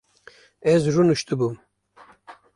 Ez rûniştibûm